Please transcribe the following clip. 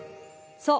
そう。